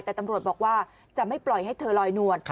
แต่ตำรวจบอกว่าจะไม่ปล่อยให้เธอลอยนวล